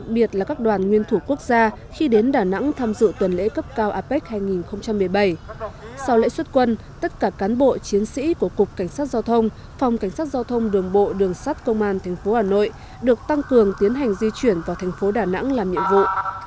bộ công an tp hà nội được tăng cường tiến hành di chuyển vào tp đà nẵng làm nhiệm vụ